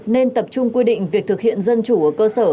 nên tập trung quy định việc thực hiện dân chủ ở cơ sở